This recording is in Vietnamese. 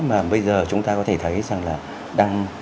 mà bây giờ chúng ta có thể thấy rằng là đang